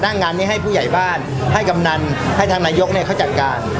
ทำงานนี้ให้ผู้ใหญ่บ้านให้กำนันให้ธนายกเนี้ยเขาจัดการ